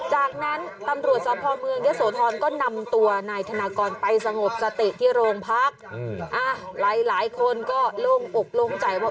จากนั้นตำรวจสพเมืองเยอะโสธรก็นำตัวนายธนากรไปสงบสติที่โรงพักหลายหลายคนก็โล่งอกโล่งใจว่า